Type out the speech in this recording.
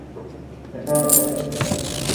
同年成为格拉斯哥卡利多尼安大学的校监。